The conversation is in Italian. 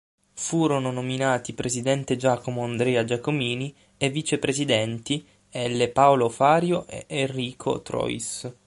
Furono nominati presidente Giacomo Andrea Giacomini e vicepresidenti L. Paolo Fario e Enrico Trois.